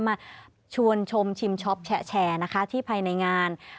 มาชวนชมชิมช็อปแฉนะคะที่ภายในงาน